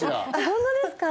ホントですか⁉